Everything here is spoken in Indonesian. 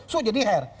su jadi her